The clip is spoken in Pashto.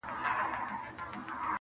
د ګودرونو مازیګر به وو له پېغلو ښکلی؛